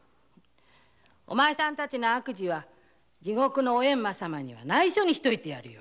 お前さんたちの悪事は地獄のエンマ様には内緒にしといてやるよ。